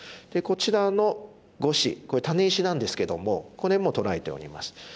でこちらの５子これタネ石なんですけどもこれも取られております。